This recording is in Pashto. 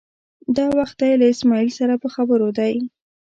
دا وخت دی له اسمعیل سره په خبرو دی.